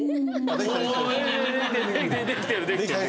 できてるできてる。